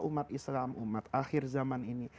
umat islam umat akhir zaman ini